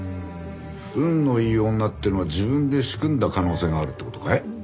運のいい女っていうのは自分で仕組んだ可能性があるって事かい？